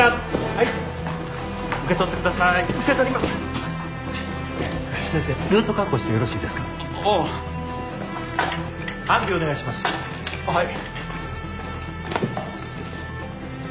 はい！